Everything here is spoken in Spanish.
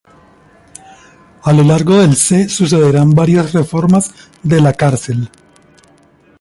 A lo largo del se sucederán varias reformas de la cárcel.